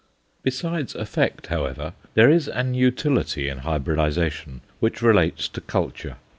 Besides effect, however, there is an utility in hybridization which relates to culture.